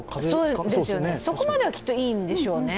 そこまでは、きっといいんでしょうね。